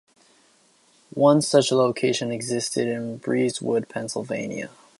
One such location existed in Breezewood, Pennsylvania.